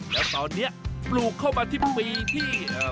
แล้วตอนนี้ปลูกเข้ามาที่ปีที่